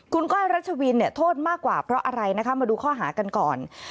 คุณก้อยรัชวินเนี่ยโทษมากกว่าเพราะอะไรนะคะมาดูข้อหากันก่อน